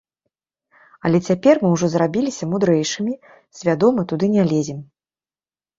Але цяпер мы ўжо зрабіліся мудрэйшымі, свядома туды не лезем.